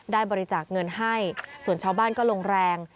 ได้บริจาคเงินให้ส่วนชาวบ้านก็ลงแรง